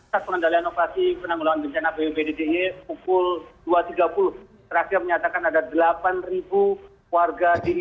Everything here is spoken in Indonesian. setelah penanggulangan operasi bencana budj pukul dua tiga puluh terakhir menyatakan ada delapan warga di